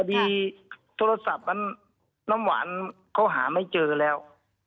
พอดีโทรศัพท์มันน้ำหวานเขาหาไม่เจอแล้ว